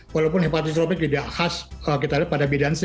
walaupun hepatotropic tidak khas kita lihat pada bidang c